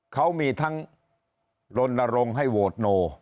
เขามีทั้งลนรงให้โวท์โน